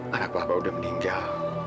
anak bapak udah meninggal